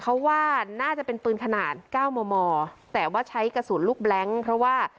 เขาว่าน่าจะเป็นปืนขนาดเก้ามอมอแต่ว่าใช้กระสุนลูกแบล็งเพราะว่า